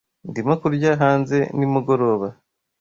Ndimo kurya hanze nimugoroba.